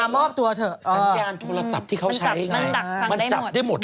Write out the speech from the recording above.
มันจับได้หมดเลย